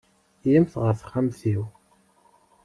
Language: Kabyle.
Iyyamt ɣer texxamt-iw.